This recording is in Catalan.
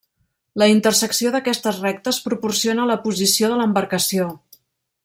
La intersecció d'aquestes rectes proporciona la posició de l'embarcació.